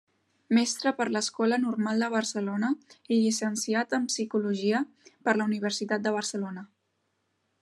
Mestre per l’Escola Normal de Barcelona i llicenciat en psicologia per la Universitat de Barcelona.